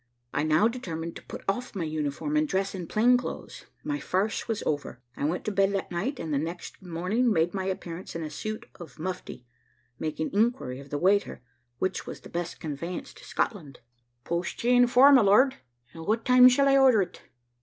I now determined to put off my uniform and dress in plain clothes my farce was over. I went to bed that night, and the next morning made my appearance in a suit of mufti, making inquiry of the waiter which was the best conveyance to Scotland. "`Post chay and four, my lord. At what time shall I order it?'